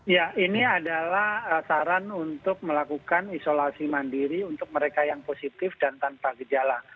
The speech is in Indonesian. ya ini adalah saran untuk melakukan isolasi mandiri untuk mereka yang positif dan tanpa gejala